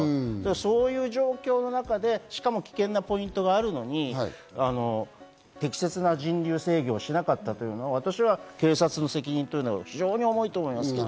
そういう状況の中で、しかも危険なポイントがあるのに適切な人流制御をしなかったというのは、私は警察の責任というのは非常に重いと思います。